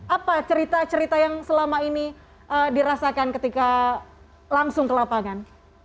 apa cerita cerita yang selama ini dirasakan ketika langsung ke lapangan